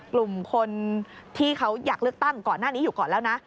กลุ่มคนที่เขาอยากเลือกตั้งก่อนหน้านี้อยู่ก่อนแล้วนะ